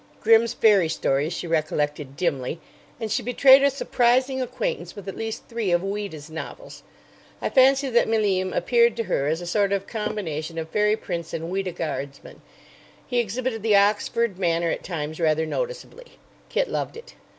Grimm's fairy stories she recollected dimly, and she betrayed a surprising acquaintance with at least three of Ouida's novels. I fancy that Malim appeared to her as a sort of combination of fairy prince and Ouida guardsman. He exhibited the Oxford manner at times rather noticeably. Kit loved it.